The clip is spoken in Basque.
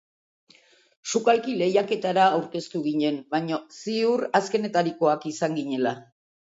Sukalki lehiaketara aurkeztu ginen baina ziur azkenetarikoak izan ginela.